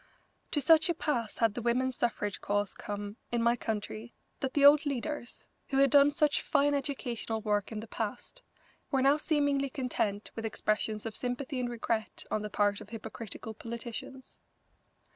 To such a pass had the women's suffrage cause come in my country that the old leaders, who had done such fine educational work in the past, were now seemingly content with expressions of sympathy and regret on the part of hypocritical politicians.